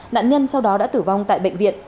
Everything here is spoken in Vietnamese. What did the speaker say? nạn nhân sau đó đã tử vong tại bệnh viện